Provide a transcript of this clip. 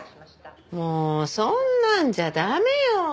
もうそんなんじゃ駄目よ。